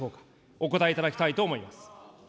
お答えいただきたいと思います。